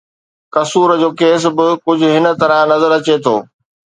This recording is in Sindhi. قصور جو ڪيس به ڪجهه هن طرح نظر اچي ٿو.